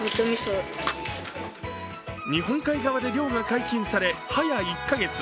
日本海側で漁が解禁されはや１か月。